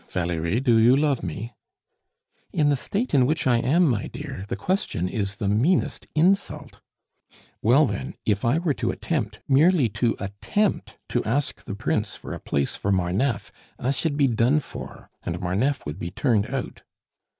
"Valerie, do you love me?" "In the state in which I am, my dear, the question is the meanest insult." "Well, then if I were to attempt, merely to attempt, to ask the Prince for a place for Marneffe, I should be done for, and Marneffe would be turned out."